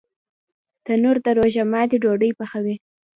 تنور د روژه ماتي ډوډۍ پخوي